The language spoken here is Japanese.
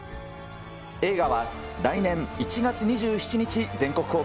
映画は来年１月２７日全国公